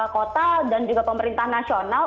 kota dan juga pemerintah nasional